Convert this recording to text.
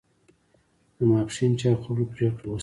د ماپښین چای خوړلو پرېکړه وشوه.